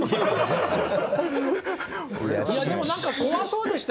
でも何か怖そうでしたよ。